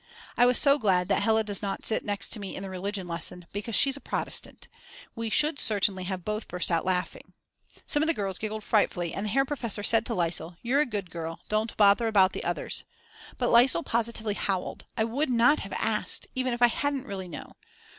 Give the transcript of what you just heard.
I was so glad that Hella does not sit next me in the religion lesson, because she's a Protestant; we should certainly have both burst out laughing. Some of the girls giggled frightfully and the Herr Professor said to Lisel: You're a good girl, don't bother about the others. But Lisel positively howled. I would not have asked, even if I hadn't really known.